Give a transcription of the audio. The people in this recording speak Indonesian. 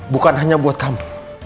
bukan hanya buat kamu